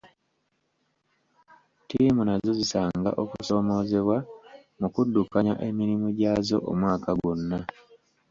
Ttiimu nazo zisanga okusoomoozebwa mu kuddukanya emirimu gyazo omwaka gwonna.